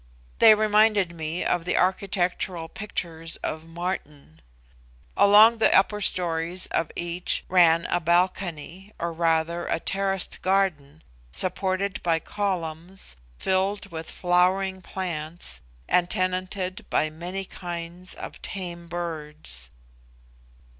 They reminded me of the architectural pictures of Martin. Along the upper stories of each ran a balcony, or rather a terraced garden, supported by columns, filled with flowering plants, and tenanted by many kinds of tame birds.